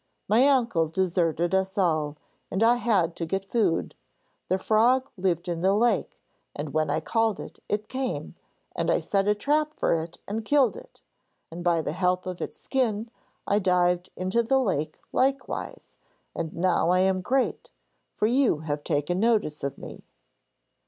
My uncle deserted us all, and I had to get food. The frog lived in the lake, and when I called it, it came, and I set a trap for it and killed it; and by the help of its skin I dived into the lake likewise, and now I am great, for you have taken notice of me.'